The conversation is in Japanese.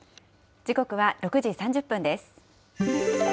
時刻は６時３０分です。